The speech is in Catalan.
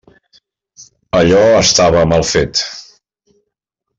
Allò estava mal fet.